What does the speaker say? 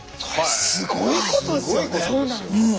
すごいことですよ。